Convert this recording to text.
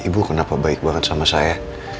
ibu kenapa baik banget sama saya